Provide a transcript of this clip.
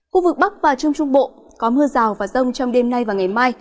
khu vực bắc và trung trung bộ có mưa rào và rông trong đêm nay và ngày mai